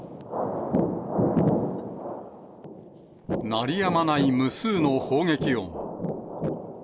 鳴りやまない無数の砲撃音。